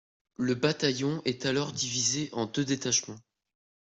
Le bataillon est alors divisé en deux détachements.